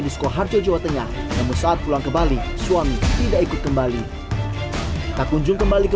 disko harjo jawa tengah namun saat pulang ke bali suami tidak ikut kembali tak kunjung kembali ke